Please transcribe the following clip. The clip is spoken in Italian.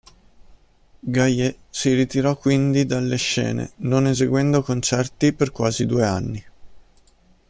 Gaye si ritirò quindi dalle scene, non eseguendo concerti per quasi due anni.